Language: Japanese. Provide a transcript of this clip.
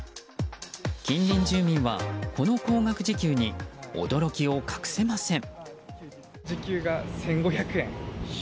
近隣住民は、この高額時給に驚きを隠せません。